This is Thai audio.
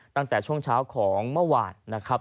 ตั้งแต่ช่วงเช้าของเมื่อวาน